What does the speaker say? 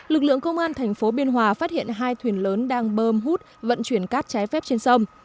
lực lượng công an thành phố biên hòa phát hiện hai thuyền lớn đang bơm hút vận chuyển cát trái phép trên sông